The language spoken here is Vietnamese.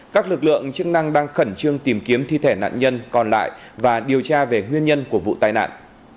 các lực lượng chức năng đang khẩn trương tìm kiếm thi thể nạn nhân còn lại và điều tra về nguyên nhân của vụ tai nạn